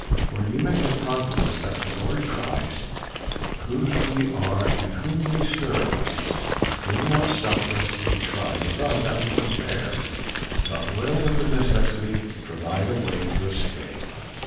For ye may have confidence that the Lord Christ, whose we are and whom we serve, will not suffer us to be tried above that we can bear, but will with the necessity provide a way of escape."